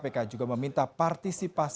polri dan kpk juga meminta partisipan dari kppk